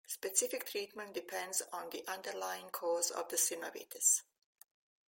Specific treatment depends on the underlying cause of the synovitis.